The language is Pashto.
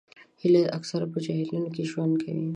هیلۍ اکثره په جهیلونو کې ژوند کوي